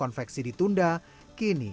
kerajaan kerajaan yang capai